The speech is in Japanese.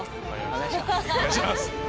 お願いします！